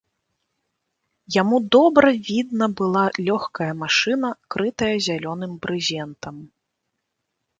Яму добра відна была лёгкая машына, крытая зялёным брызентам.